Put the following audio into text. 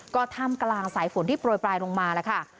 ก็ท่ามกลางสายฝนที่โปรยปลายลงมาแล้วค่ะ